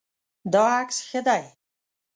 دا عکس ښه دی